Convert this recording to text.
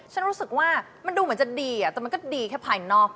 ฉันรู้สึกว่ามันดูเหมือนจะดีแต่มันก็ดีแค่ภายนอก